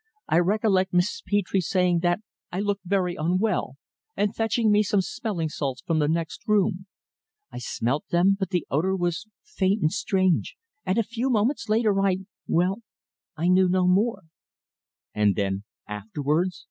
"I recollect Mrs. Petre saying that I looked very unwell, and fetching me some smelling salts from the next room. I smelt them, but the odour was faint and strange, and a few moments later I well, I knew no more." "And then afterwards?"